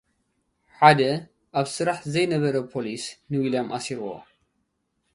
ሓደ ኣብ ስራሕ ዘይነበረ ፖሊስ ንዊልያም ኣሲርዎ።